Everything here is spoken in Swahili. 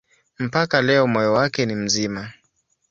Mpaka leo moyo wake ni mzima.